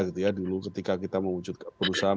itu ya dulu ketika kita memujuk perusahaan